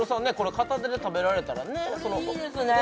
片手で食べられたらこれいいですね